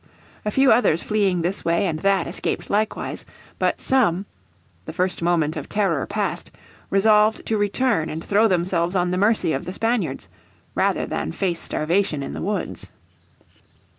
A few others fleeing this way and that escaped likewise. But some, the first moment of terror past, resolved to return and throw themselves on the mercy of the Spaniards rather than face starvation in the woods.